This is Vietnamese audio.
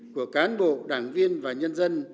của cán bộ đảng viên và nhân dân